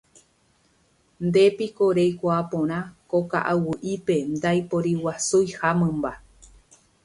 Nde niko reikuaa porã ko ka'aguy'ípe ndaiporiguasuiha mymba